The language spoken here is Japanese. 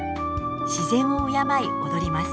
自然を敬い踊ります。